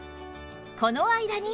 この間に